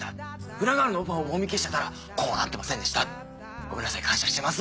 『フラガール』のオファーをもみ消してたらこうなってませんでしたごめんなさい感謝してます」。